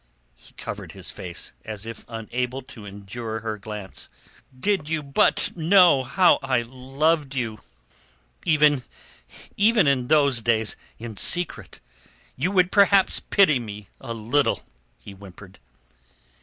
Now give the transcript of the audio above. He covered his face, as if unable to endure her glance. "Did you but know how I loved you—even in those days, in secret—you would perhaps pity me a little," he whimpered.